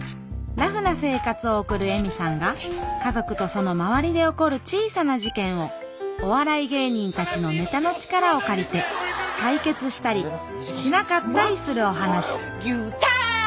ラフな生活を送る恵美さんが家族とその周りで起こる小さな事件をお笑い芸人たちのネタの力を借りて解決したりしなかったりするお話牛ターン！